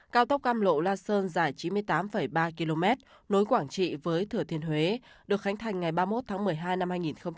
cao tốc cam lộ la sơn dài chín mươi tám ba km nối quảng trị với thừa thiên huế được khánh thành ngày ba mươi một tháng một mươi hai năm hai nghìn một mươi tám